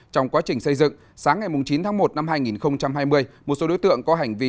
trong quá trình xây dựng sáng ngày chín tháng một năm hai nghìn hai mươi một số đối tượng có hành vi